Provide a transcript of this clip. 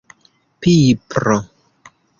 pipro